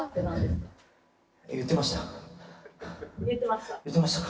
言ってましたか。